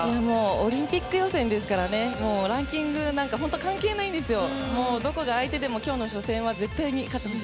オリンピック予選ですからランキングなんか本当に関係ないんですよ。